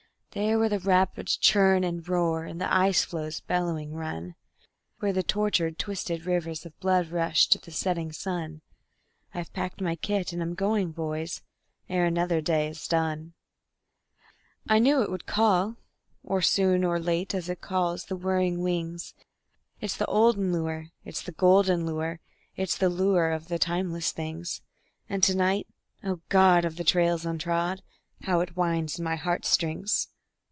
There where the rapids churn and roar, and the ice floes bellowing run; Where the tortured, twisted rivers of blood rush to the setting sun I've packed my kit and I'm going, boys, ere another day is done. I knew it would call, or soon or late, as it calls the whirring wings; It's the olden lure, it's the golden lure, it's the lure of the timeless things, And to night, oh, God of the trails untrod, how it whines in my heart strings!